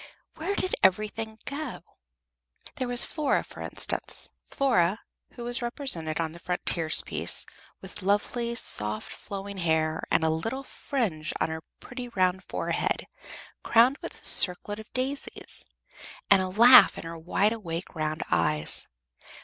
Where did everything go? There was Flora, for instance Flora who was represented on the frontispiece with lovely, soft, flowing hair, and a little fringe on her pretty round forehead, crowned with a circlet of daisies, and a laugh in her wide awake round eyes.